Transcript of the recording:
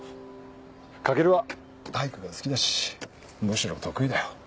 翔は体育が好きだしむしろ得意だよ。